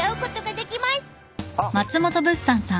あっ。